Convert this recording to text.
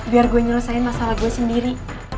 biar gue nyelesain masalah gue sendiri